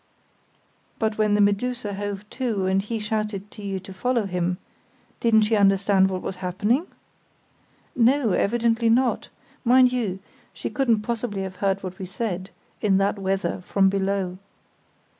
"But when the Medusa hove to and he shouted to you to follow him—didn't she understand what was happening?" "No, evidently not. Mind you, she couldn't possibly have heard what we said, in that weather, from below.